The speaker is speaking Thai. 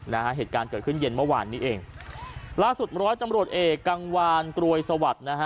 นะฮะเหตุการณ์เกิดขึ้นเย็นเมื่อวานนี้เองล่าสุดร้อยตำรวจเอกกังวานกรวยสวัสดิ์นะฮะ